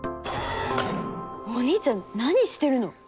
お兄ちゃん何してるの？